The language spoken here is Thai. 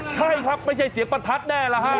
ใช่ครับไม่ใช่เสียงประทัดแน่แล้วฮะ